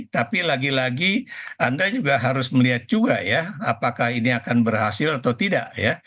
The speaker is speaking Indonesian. tapi lagi lagi anda juga harus melihat juga ya apakah ini akan berhasil atau tidak ya